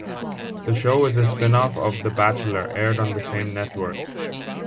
The show is a spin-off of "The Bachelor" aired on the same network.